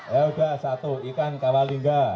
yaudah satu ikan kawalinga